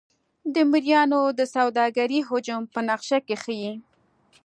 د مریانو د سوداګرۍ حجم په نقشه کې ښيي.